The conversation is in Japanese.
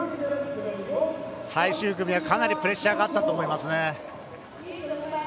最終組はかなりプレッシャーがあったと思います。